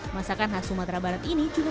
masakan khas sumatera barat ini cukup berbeda